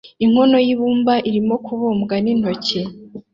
Inkono y'ibumba irimo kubumbwa n'intoki